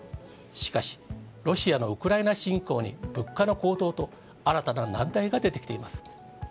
しかし、ロシアのウクライナ侵攻に物価の高騰と新たな難題が出てきています。